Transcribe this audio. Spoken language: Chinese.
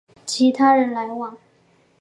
与其他人来往